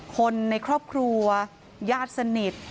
คนในครอบครัวญาติสนิท